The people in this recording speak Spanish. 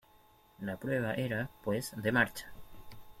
La prueba era, pues, de marcha.